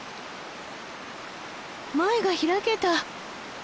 前が開けた。